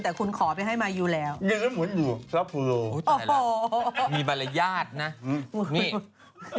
แต่คุณขอไปให้มาอยู่แล้วเหมือนอยู่โอ้โฮมีบรรยาทน่ะนี่